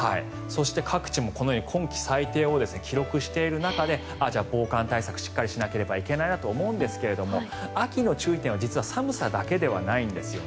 そして、各地今季最低を記録している中でじゃあ、防寒対策しっかりしなければいけないなと思うんですが秋の注意点は実は寒さだけではないんです。